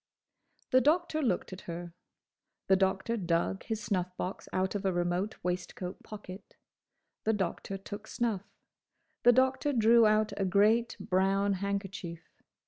The Doctor looked at her. The Doctor dug his snuff box out of a remote waistcoat pocket. The Doctor took snuff. The Doctor drew out a great, brown handkerchief.